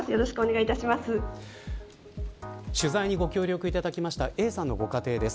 取材にご協力いただきましたＡさんのご家庭です。